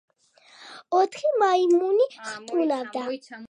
ოთხი მაიმუნი ხტუნავდა.